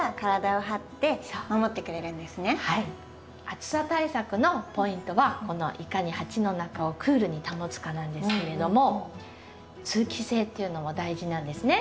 暑さ対策のポイントはいかに鉢の中をクールに保つかなんですけれども通気性っていうのも大事なんですね。